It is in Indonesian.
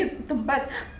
jangan kacau itu